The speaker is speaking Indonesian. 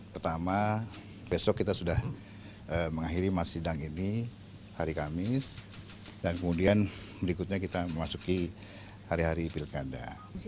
pertama besok kita sudah mengakhiri mas sidang ini hari kamis dan kemudian berikutnya kita memasuki hari hari pilkada